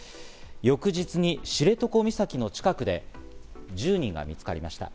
翌日に知床岬の近くで１０人が見つかりました。